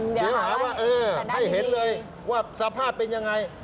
เดี๋ยวหาว่าเออให้เห็นเลยว่าสภาพเป็นยังไง